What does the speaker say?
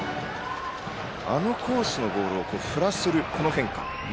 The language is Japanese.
あのコースのボールを振らせる変化。